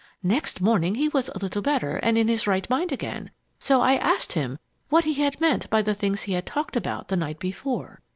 Next morning he was a little better and in his right mind again, so I asked him what he had meant by the things he had talked about the night before.